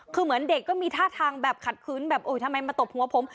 คือเหมือนเด็กก็มีท่าทางแบบขัดขืนแบบทำไมมาตบหัวผม